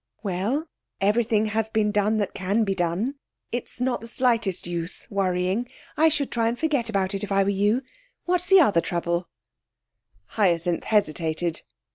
'Well, everything has been done that can be done. It's not the slightest use worrying. I should try and forget about it, if I were you. What's the other trouble?' Hyacinth hesitated.